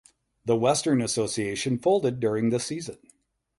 The Western Association folded during the season.